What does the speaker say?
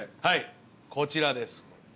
はいこちらです。